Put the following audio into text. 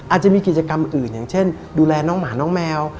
อาจจะมีกิจกรรมอื่นอย่างเช่นดูแลน้องหมาน้องแมว